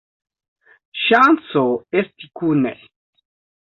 Ŝanco esti kune!